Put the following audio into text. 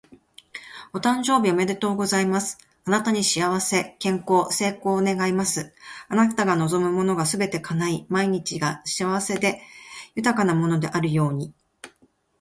お誕生日おめでとうございます！あなたに幸せ、健康、成功を願います。あなたが望むものがすべて叶い、毎日が幸せで豊かなものであるように。